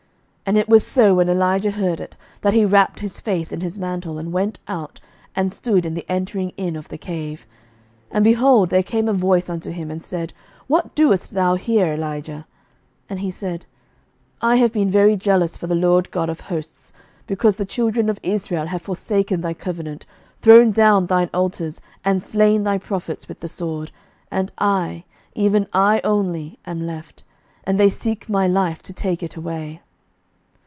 11:019:013 And it was so, when Elijah heard it, that he wrapped his face in his mantle, and went out, and stood in the entering in of the cave. And, behold, there came a voice unto him, and said, What doest thou here, Elijah? 11:019:014 And he said, I have been very jealous for the LORD God of hosts: because the children of Israel have forsaken thy covenant, thrown down thine altars, and slain thy prophets with the sword; and I, even I only, am left; and they seek my life, to take it away.